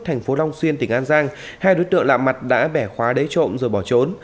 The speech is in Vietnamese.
thành phố long xuyên tỉnh an giang hai đối tượng lạ mặt đã bẻ khóa lấy trộm rồi bỏ trốn